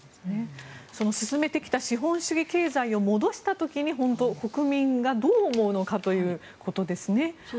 その進めてきた資本主義経済を戻した時に、本当に国民がどう思うのかということですね。